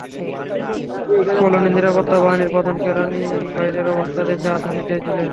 কলোনির নিরাপত্তা বাহিনীর প্রধানকে রানি বাইরের অবস্থা দেখে আসার নির্দেশ দিলেন।